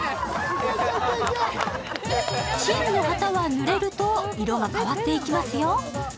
チームの旗はぬれると色が変わっていきますよ。